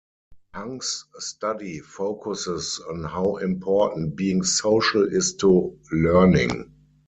Hung's study focuses on how important being social is to learning.